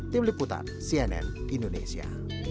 tim liputan cnn indonesia